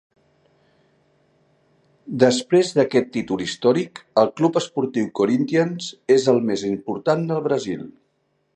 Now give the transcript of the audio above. Després d'aquest títol històric, el club esportiu Corinthians és el més important del Brasil.